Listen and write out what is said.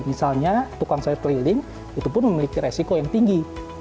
misalnya tukang sayur keliling itu pun memiliki resiko yang tinggi